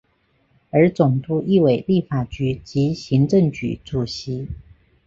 而总督亦为立法局及行政局主席。